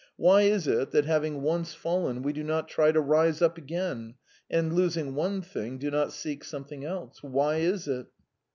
Why is it that, having once fallen, we do not try to rise up again, and, losing one thing, do not seek something else? Why is it?